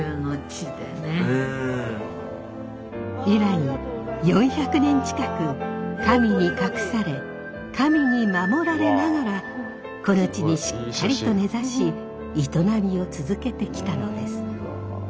以来４００年近く神に隠され神に守られながらこの地にしっかりと根ざし営みを続けてきたのです。